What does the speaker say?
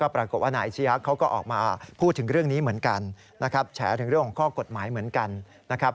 เพราะว่าเรื่องของคดีของทนายสุขิต